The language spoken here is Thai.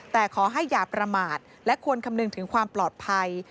แต่ขอให้อย่าประมาทและควรคำนึงถึงความปลอดภัย